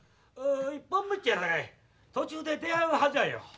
一本道やさかい途中で出会うはずやよ。